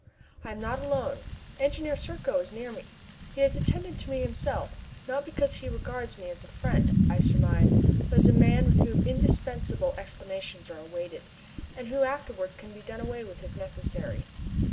I am not alone. Engineer Serko is near me. He has attended to me himself, not because he regards me as a friend, I surmise, but as a man from whom indispensable explanations are awaited, and who afterwards can be done away with if necessary.